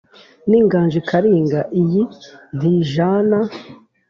N’inganji Karinga* iyi ntijana